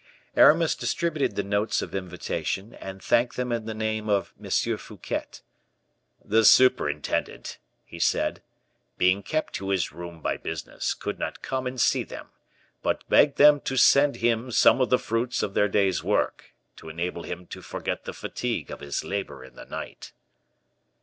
Aramis distributed the notes of invitation, and thanked them in the name of M. Fouquet. "The superintendent," he said, "being kept to his room by business, could not come and see them, but begged them to send him some of the fruits of their day's work, to enable him to forget the fatigue of his labor in the night."